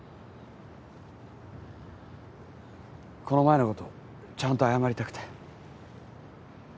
この前のことちゃんと謝りたくて。